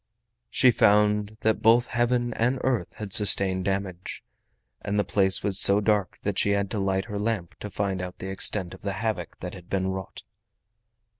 She found that both Heaven and earth had sustained damage, and the place was so dark that she had to light her lamp to find out the extent of the havoc that had been wrought.